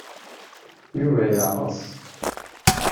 Yuba yeɛḍes.